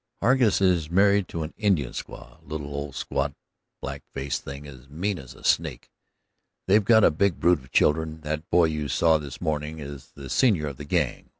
"Hargus is married to an Indian squaw, a little old squat, black faced thing as mean as a snake. They've got a big brood of children, that boy you saw this morning is the senior of the gang.